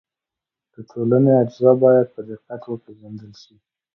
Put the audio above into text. د ټولنې اجزا باید په دقت وپېژندل سي.